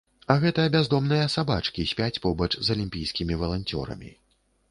А гэта бяздомныя сабачкі спяць побач з алімпійскімі валанцёрамі.